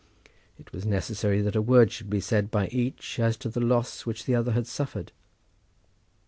It was necessary that a word should be said by each as to the loss which the other had suffered.